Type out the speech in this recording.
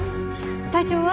体調は？